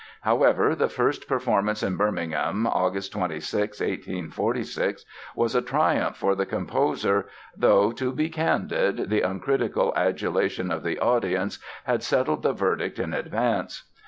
However, the first performance in Birmingham, Aug. 26, 1846, was a triumph for the composer though, to be candid, the uncritical adulation of the audience had settled the verdict in advance.